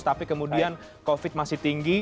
tapi kemudian covid masih tinggi